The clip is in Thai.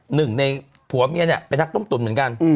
หนึ่งในผัวเมียเนี่ยเป็นนักต้มตุ๋นเหมือนกัน